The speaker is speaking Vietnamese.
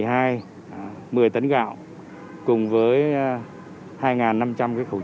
để hỗ trợ cho bà con trên địa bàn tp hcm